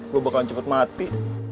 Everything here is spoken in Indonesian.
gua bakalan cepet mati